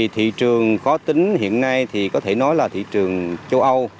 thị trường khó tính hiện nay thì có thể nói là thị trường châu âu